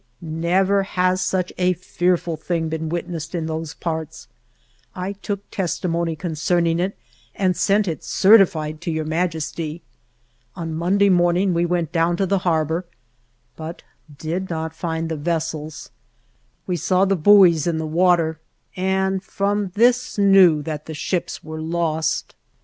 5 THE JOURNEY OF Never has such a fearful thing been wit nessed in those parts. I took testimony con cerning it, and sent it, certified, to Your Majesty. On Monday morning we went down to the harbor, but did not find the ves sels. We saw the buoys in the water, and from this knew that the ships were lost.